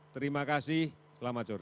terima kasih selamat sore